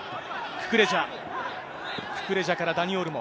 ククレジャからダニ・オルモ。